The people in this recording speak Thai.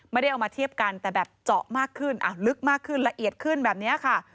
ไม่ได้เอามาเทียบกันแต่แบบเจาะมากขึ้นลึกมากขึ้นละเอียดขึ้นแบบนี้ค่ะ